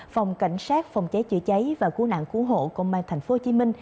phòng cảnh sát phòng cháy chữa cháy và cứu nạn cứu hộ công an tp hcm